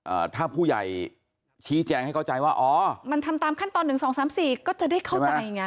อ่าถ้าผู้ใหญ่ชี้แจงให้เข้าใจว่าอ๋อมันทำตามขั้นตอนหนึ่งสองสามสี่ก็จะได้เข้าใจไง